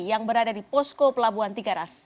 yang berada di posko pelabuhan tiga ras